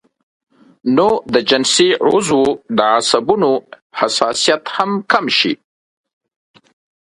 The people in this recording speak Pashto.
نو د جنسي عضو د عصبونو حساسيت هم کم شي